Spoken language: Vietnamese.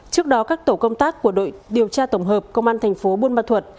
trước đó các tổ công tác của đội điều tra tổng hợp công an tp bunma thuật